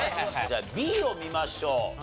じゃあＢを見ましょう。